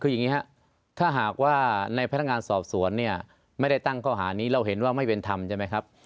คืออย่างนี้ครับถ้าหากว่าในพนักงานสอบสวนเนี่ยไม่ได้ตั้งข้อหานี้เราเห็นว่าไม่เป็นธรรมใช่ไหมครับ